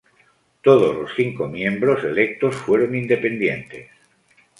Todos los cinco miembros electos fueron independientes.